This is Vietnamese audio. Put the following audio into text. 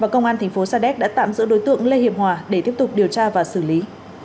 công an thành phố sa đéc đã tạm giữ đối tượng lê hiệp hòa để tiếp tục điều tra và xử lý